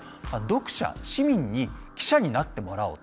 読者市民に記者になってもらおうと。